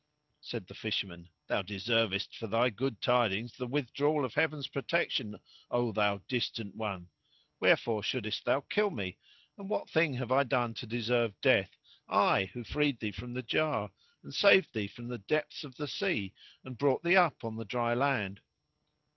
Said the Fisherman, "Thou deservest for thy good tidings the withdrawal of Heaven's protection, O thou distant one![FN#69] Wherefore shouldest thou kill me and what thing have I done to deserve death, I who freed thee from the jar, and saved thee from the depths of the sea, and brought thee up on the dry land?"